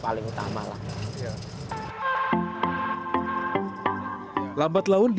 paling utama lah